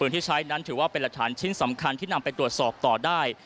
ที่ใช้นั้นถือว่าเป็นหลักฐานชิ้นสำคัญที่นำไปตรวจสอบต่อได้